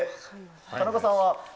田中さんは。